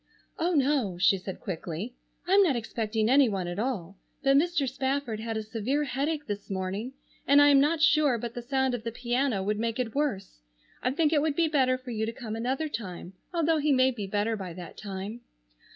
"Oh, no," she said quickly, "I'm not expecting any one at all, but Mr. Spafford had a severe headache this morning, and I am not sure but the sound of the piano would make it worse. I think it would be better for you to come another time, although he may be better by that time."